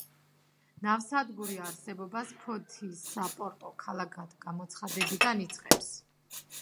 ნავსადგური არსებობას ფოთის საპორტო ქალაქად გამოცხადებიდან იწყებს.